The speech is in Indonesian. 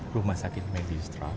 rumah sakit medis